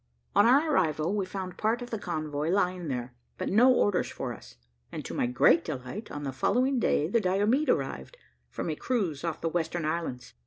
On our arrival, we found part of the convoy lying there, but no orders for us; and, to my great delight, on the following day the Diomede arrived, from a cruise off the Western Islands.